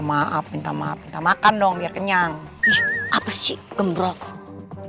maaf minta maaf minta makan dong biar kenyang ih apa sih gembrot zara bangga sama mami mami mau aku